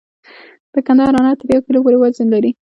د کندهار انار تر یو کیلو پورې وزن لري.